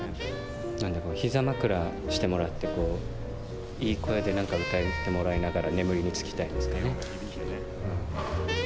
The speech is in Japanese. なんだろう、ひざ枕してもらって、いい声でなんか歌ってもらいながら眠りにつきたいですね。